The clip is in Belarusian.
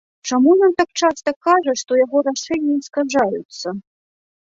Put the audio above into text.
Чаму ён так часта кажа, што яго рашэнні скажаюцца?